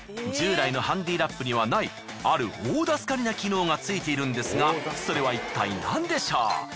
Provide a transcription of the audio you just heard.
従来のハンディラップにはないある大助かりな機能がついているんですがそれはいったい何でしょう？